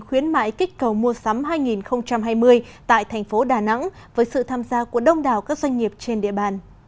khuyến mại kích cầu mua sắm hai nghìn hai mươi tại thành phố đà nẵng với sự tham gia của đông đảo các doanh nghiệp trên địa bàn